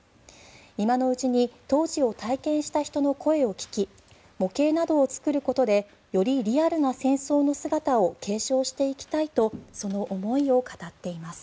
今のうちに当時を体験した人の声を聞き模型などを作ることでよりリアルな戦争の姿を継承していきたいとその思いを語っています。